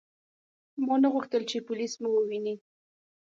ما نه غوښتل چې پولیس مو وویني.